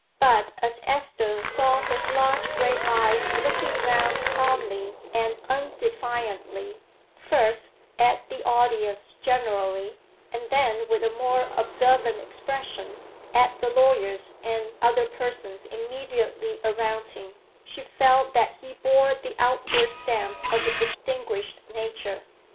But as Esther saw his large gray eyes looking round calmly and undefiantly, first at the audience generally, and then with a more observant expression at the lawyers and other persons immediately around him, she felt that he bore the outward stamp of a distinguished nature.